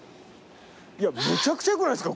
めちゃくちゃよくないですか？